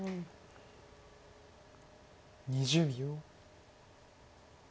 ２０秒。